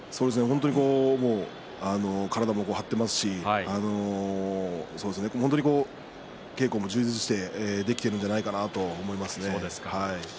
本当に体も張っていますし本当に稽古も充実してできてるんじゃないかなと思いますね。